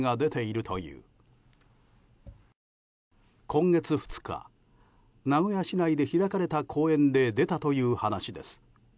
今月２日、名古屋市内で開かれた講演で出たという話です。